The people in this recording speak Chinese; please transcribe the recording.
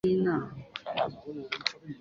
这也是吐蕃历史上唯一一个年号。